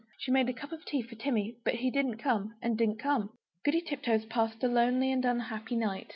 She made a cup of tea for Timmy; but he didn't come and didn't come. Goody Tiptoes passed a lonely and unhappy night.